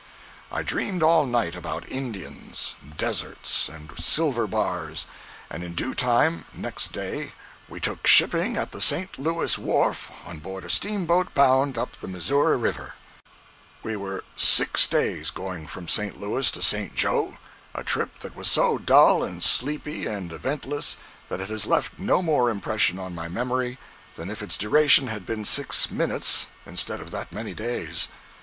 I dreamed all night about Indians, deserts, and silver bars, and in due time, next day, we took shipping at the St. Louis wharf on board a steamboat bound up the Missouri River. 021.jpg (82K) We were six days going from St. Louis to "St. Jo."—a trip that was so dull, and sleepy, and eventless that it has left no more impression on my memory than if its duration had been six minutes instead of that many days.